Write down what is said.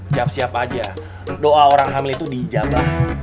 siap siap aja doa orang hamil itu dijabah